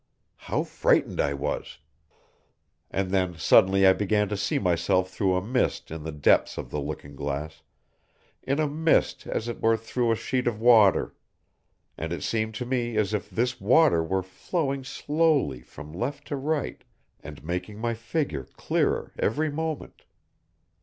How frightened I was! And then suddenly I began to see myself through a mist in the depths of the looking glass, in a mist as it were through a sheet of water; and it seemed to me as if this water were flowing slowly from left to right, and making my figure clearer every moment.